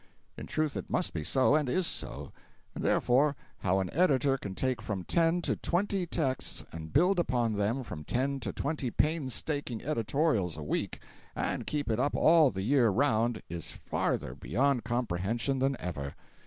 In truth it must be so, and is so; and therefore, how an editor can take from ten to twenty texts and build upon them from ten to twenty painstaking editorials a week and keep it up all the year round, is farther beyond comprehension than ever.